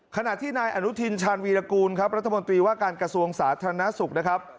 ขณะที่นายอนุทินชาญวีรกูลประธมตีว่าการกระทรวงสาธารณสุข